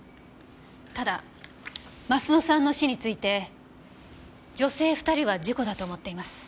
ただ鱒乃さんの死について女性２人は事故だと思っています。